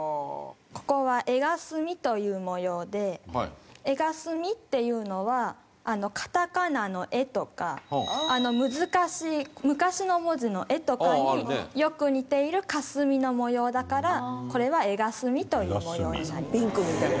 ここはヱ霞という模様でヱ霞っていうのは片仮名の「エ」とか難しい昔の文字の「ヱ」とかによく似ている霞の模様だからこれはヱ霞という模様になります。